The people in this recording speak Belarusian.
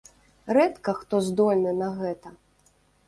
Рэдка хто здольны на гэта.